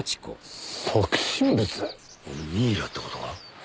ミイラって事か？